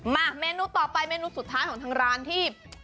เมนูต่อไปเมนูสุดท้ายของทางร้านที่